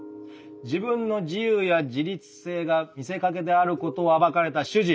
自分の自由や自立性が見せかけであることを暴かれた主人。